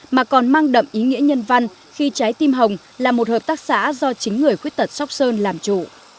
mà còn mang đậm ý nghĩa nhân văn khi trái tim hồng là một hợp tác xã do chính người khuyết tật sóc sơn làm chủ